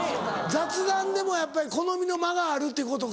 雑談でもやっぱり好みの間があるってことか。